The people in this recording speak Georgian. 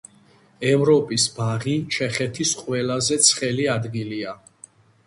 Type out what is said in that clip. ევროპის ბაღი ჩეხეთის ყველაზე ცხელი ადგილია.